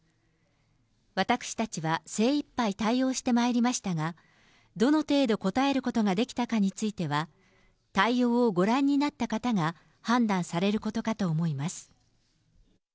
私たちは精いっぱい対応してまいりましたが、どの程度応えることができたかについては、対応をご覧になった方が判断されることかと思います。